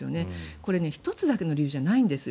これ、１つだけの理由じゃないんですよ。